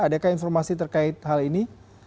adakah informasi terkait hal ini